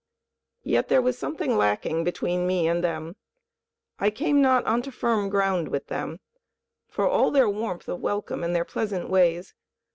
Yet there was something lacking between me and them. I came not onto firm ground with them, for all their warmth of welcome and their pleasant ways.